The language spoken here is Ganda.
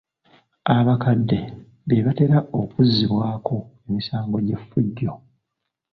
Abakadde be batera okuzzibwako emisango gy'effujjo.